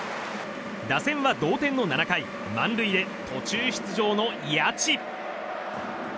打線は同点の７回満塁へ途中出場の谷内。